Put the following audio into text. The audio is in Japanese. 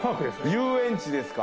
遊園地ですか。